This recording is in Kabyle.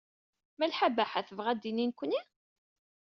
Malḥa Baḥa tebɣa ad d-tini nekkni?